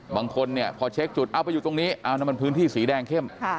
บางคนเนี่ยพอเช็คจุดเอาไปอยู่ตรงนี้มันพื้นที่สีแดงเข้ม